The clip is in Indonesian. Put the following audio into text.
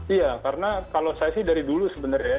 iya karena kalau saya sih dari dulu sebenarnya ya